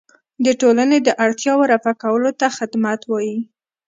د ټولنې د اړتیاوو رفع کولو ته خدمت وایي.